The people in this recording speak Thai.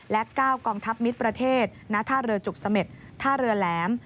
และ๙กองทัพมิตรประเทศณท่าเรือจุกเสม็ดท่าเรือแหลม